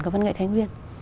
của văn nghệ thái nguyên